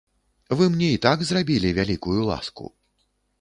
Вы мне і так зрабілі вялікую ласку.